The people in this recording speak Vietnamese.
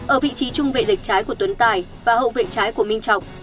ở vị trí trung vệ trái của tuấn tài và hậu vệ trái của minh trọng